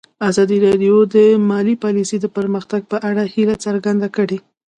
ازادي راډیو د مالي پالیسي د پرمختګ په اړه هیله څرګنده کړې.